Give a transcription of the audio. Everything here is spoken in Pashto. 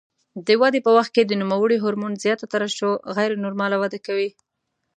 د ودې په وخت کې د نوموړي هورمون زیاته ترشح غیر نورماله وده کوي.